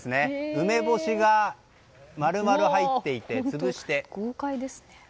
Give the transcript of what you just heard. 梅干しが丸々入っていて潰して。